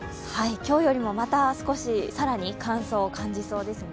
今日よりも少しまた、乾燥を感じそうですね。